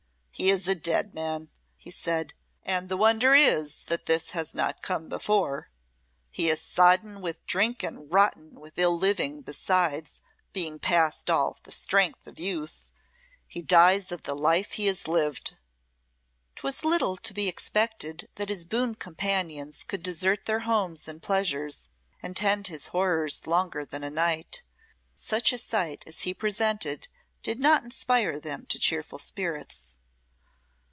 "He is a dead man," he said, "and the wonder is that this has not come before. He is sodden with drink and rotten with ill living, besides being past all the strength of youth. He dies of the life he has lived." 'Twas little to be expected that his boon companions could desert their homes and pleasures and tend his horrors longer than a night. Such a sight as he presented did not inspire them to cheerful spirits.